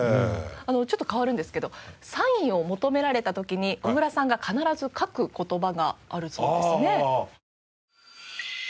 ちょっと変わるんですけどサインを求められた時に小倉さんが必ず書く言葉があるそうですね。